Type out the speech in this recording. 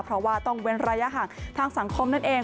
เพราะว่าต้องเว้นระยะห่างทางสังคมนั่นเอง